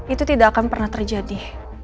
itu tidak akan pernah terjadi